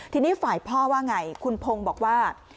ทีนี้ฝ่ายพ่อว่าไงคุณพงศ์บอกว่า